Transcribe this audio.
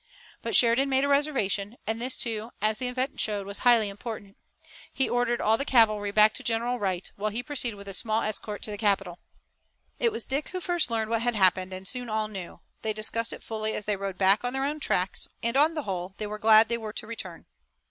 But Sheridan made a reservation, and this, too, as the event showed, was highly important. He ordered all the cavalry back to General Wright, while he proceeded with a small escort to the capital. It was Dick who first learned what had happened, and soon all knew. They discussed it fully as they rode back on their own tracks, and on the whole they were glad they were to return.